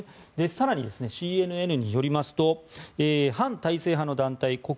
更に、ＣＮＮによりますと反体制派の団体